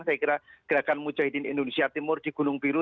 saya kira gerakan mujahidin indonesia timur di gunung biru